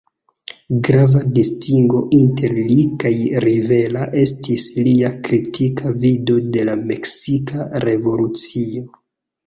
Grava distingo inter li kaj Rivera estis lia kritika vido de la meksika revolucio.